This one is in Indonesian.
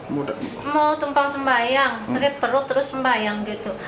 mau tumpang sembahyang sulit perut terus sembahyang gitu